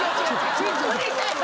びっくりしたよ！